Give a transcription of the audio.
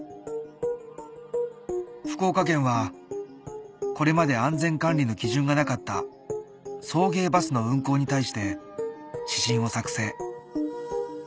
福岡県はこれまで安全管理の基準がなかった送迎バスの運行に対して指針を作成